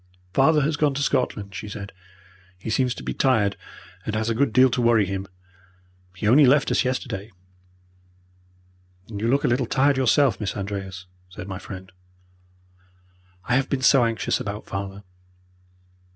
"Father has gone to Scotland," she said. "He seems to be tired, and has had a good deal to worry him. He only left us yesterday." "You look a little tired yourself, Miss Andreas," said my friend. "I have been so anxious about father."